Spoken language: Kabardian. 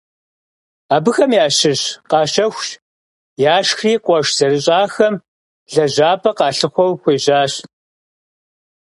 Абыхэм ящыщ къащэхущ, яшхри къуэш зэрыщӏахэм лэжьапӏэ къалъыхъуэу хуежьащ.